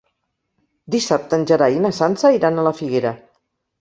Dissabte en Gerai i na Sança iran a la Figuera.